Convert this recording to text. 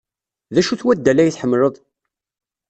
D acu-t waddal ay tḥemmled?